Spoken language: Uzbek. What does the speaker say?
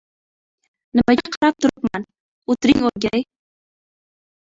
— Nimaga qarab turibman? O‘tiring, o‘rgilay.